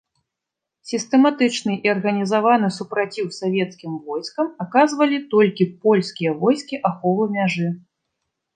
Сістэматычны і арганізаваны супраціў савецкім войскам аказвалі толькі польскія войскі аховы мяжы.